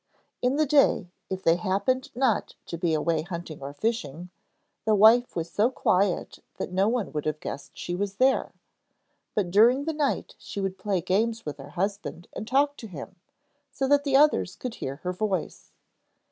In the day, if they happened not to be away hunting or fishing, the wife was so quiet that no one would have guessed she was there, but during the night she would play games with her husband and talk to him, so that the others could hear her voice.